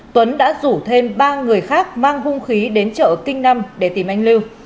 tân hiệp đã rủ thêm ba người khác mang hung khí đến chợ kinh năm để tìm anh lưu